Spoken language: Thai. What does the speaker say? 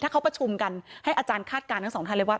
เขาประชุมกันให้อาจารย์คาดการณ์ทั้งสองท่านเลยว่า